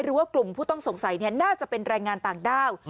หรือว่ากลุ่มผู้ต้องสงสัยน่าจะเป็นแรงงานต่างด้าว